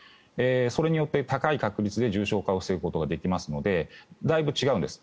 それによって高い確率で重症化を防ぐことができますのでだいぶ違うんです。